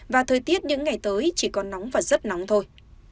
và thời tiết những ngày tới chỉ có nóng và rất nóng thôi